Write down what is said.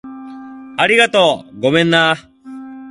ありがとう。ごめんな